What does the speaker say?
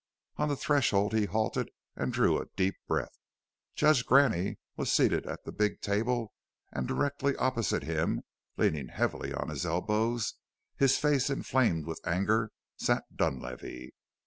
On the threshold he halted and drew a deep breath. Judge Graney was seated at the big table, and directly opposite him, leaning heavily on his elbows, his face inflamed with anger, sat Dunlavey.